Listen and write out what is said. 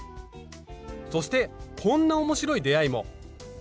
そしてこんな面白い出会いも。